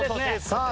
さあ。